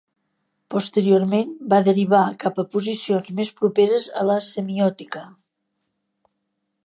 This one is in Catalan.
Posteriorment va derivar cap a posicions més properes a la semiòtica.